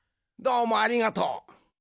どうもありがとう。